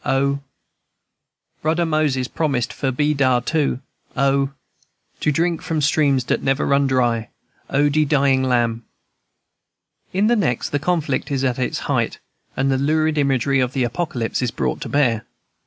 0,&c. Brudder Moses promised for be dar too, O, &c. To drink from streams dat never run dry, O de dying Lamb!" In the next, the conflict is at its height, and the lurid imagery of the Apocalypse is brought to bear.